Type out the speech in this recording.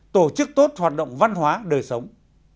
tổ chức tốt hoạt động văn hóa đời sống